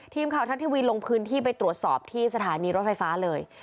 ทัศน์ทีวีลงพื้นที่ไปตรวจสอบที่สถานีรถไฟฟ้าเลย